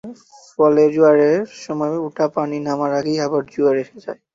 ফলে জোয়ারের সময় ওঠা পানি নামার আগেই আবার জোয়ার এসে যায়।